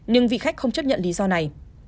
nhưng vị khách không chấp nhận lý do này